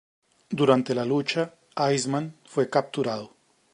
Durante la lucha, Iceman fue capturado.